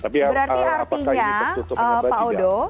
berarti artinya pak odo